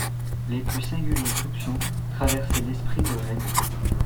Les plus singuliers soupçons traversaient l'esprit de Raymond.